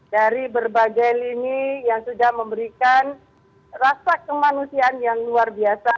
dari berbagai lini yang sudah memberikan rasa kemanusiaan yang luar biasa